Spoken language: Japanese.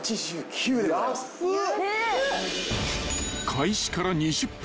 ［開始から２０分